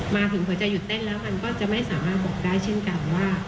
หัวใจหยุดเต้นแล้วมันก็จะไม่สามารถบอกได้เช่นกันว่า